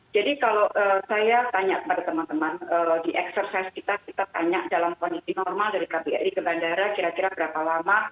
jadi kalau saya tanya kepada teman teman di eksersis kita kita tanya dalam kondisi normal dari kbri ke bandara kira kira berapa lama